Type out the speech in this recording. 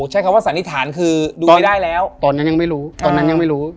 ใช้คำว่าสันนิษฐานคือดูไม่ได้แล้วตอนนั้นยังไม่รู้ตอนนั้นยังไม่รู้